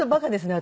私。